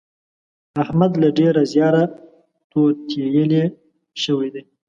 احمد له ډېره زیاره تور تېيلی شوی دی.